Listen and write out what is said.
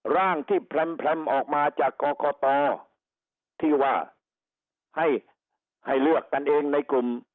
ร่างที่แพร่มออกมาจากกศที่ว่าให้เลือกกันเองในกลุ่ม๔๐๒๐๐๖๐๐๗๐๐๕